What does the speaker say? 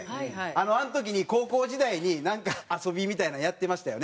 あの時に高校時代になんか遊びみたいのやってましたよね？